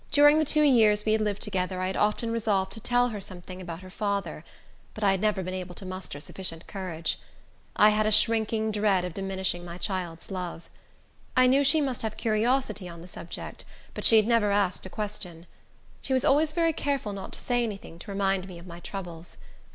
During the two years we had lived together I had often resolved to tell her something about her father; but I had never been able to muster sufficient courage. I had a shrinking dread of diminishing my child's love. I knew she must have curiosity on the subject, but she had never asked a question. She was always very careful not to say any thing to remind me of my troubles.